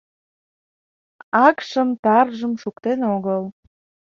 Акшым-таржым шуктен огыл